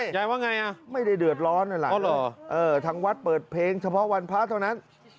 ยายว่าไงไม่ได้เดือดร้อนอะไรทั้งวัดเปิดเพลงเฉพาะวันพระเท่านั้น